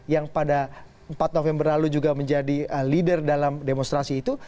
yang pada empat november lalu juga menjadi leader dalam demonstrasi itu